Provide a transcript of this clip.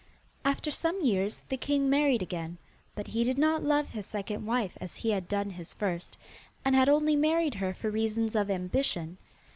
After some years the king married again, but he did not love his second wife as he had done his first, and had only married her for reasons of ambition.